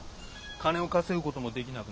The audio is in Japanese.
金を稼ぐこともできなくなる。